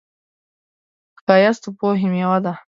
ښایست د پوهې میوه ده